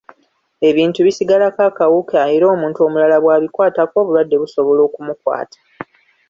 Ebintu bisigalako akawuka era omuntu omulala bw’abikwatako obulwadde busobola okumukwata.